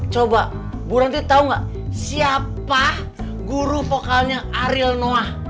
coba bu ronti tau gak siapa guru vokalnya ariel noah